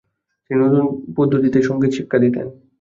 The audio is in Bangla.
তিনি নতুন পদ্ধতিতে সঙ্গীত শিক্ষা দিতেন ।